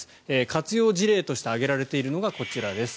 活用事例として挙げられているのがこちらです。